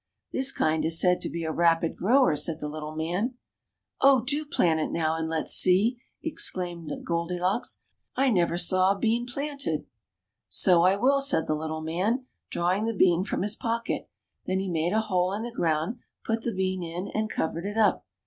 " This kind is said to be a rapid grower," said the little man. "Oh! do plant it now and let's see," exclaimed Goldi locks j "I never saw a bean planted." CINDERELLA UP TO DATE. 27 So I will/' said the little man^ drawing the bean from his pocket ; then he made a hole in the ground, put the bean in and covered it up.